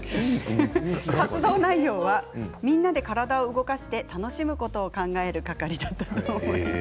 活動内容はみんなで体を動かして楽しむことを考える係だということです。